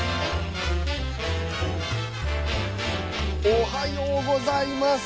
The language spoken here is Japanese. おはようございます。